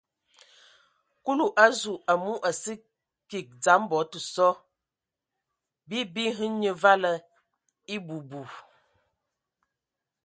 Kulu a zu, amu a sə kig dzam bɔ tə so: bii bi hm nye vala ebu bu.